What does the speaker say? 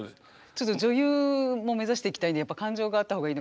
ちょっと女優も目指していきたいんでやっぱり感情があった方がいいのかな。